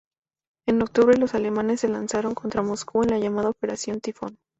En octubre, los alemanes se lanzaron contra Moscú en la llamada Operación Tifón.